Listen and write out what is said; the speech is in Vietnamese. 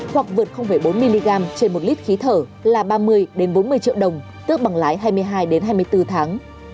hoặc vượt bốn mg trên một lít khí thở là ba mươi bốn mươi triệu đồng tước bằng lái hai mươi hai hai mươi bốn tháng